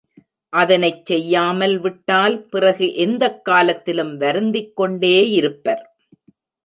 அதனைச் செய்யாமல் விட்டால் பிறகு எந்தக் காலத்திலும் வருந்திக் கொண்டே இருப்பர்.